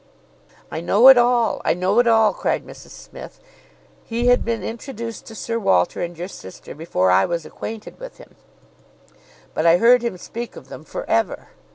"I know it all, I know it all," cried Mrs Smith. "He had been introduced to Sir Walter and your sister before I was acquainted with him, but I heard him speak of them for ever.